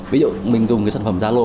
ví dụ mình dùng sản phẩm zalo